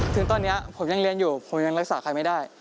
ถึงตอนนี้ผมยังเรียนอยู่ผมยังรักษาใครไม่ได้